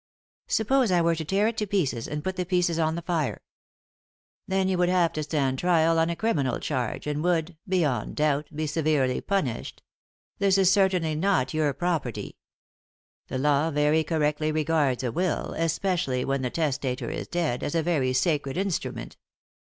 "Suppose I were to tear it to pieces, and put the pieces on the fire ?"" Then you would have to stand your trial on a criminal charge, and would, beyond doubt, be severely punished. This is certainly not your property. The law very correctly regards a will, especially when the testator is dead, as a very sacred instrument."